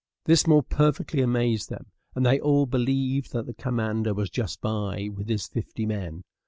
This more perfectly amazed them, and they all believed that the commander was just by, with his fifty men.